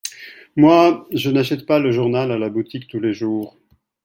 Moi, je n'achète pas le journal à la boutique tous les jours.